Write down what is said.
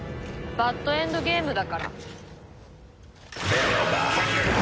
バッドエンドゲームって！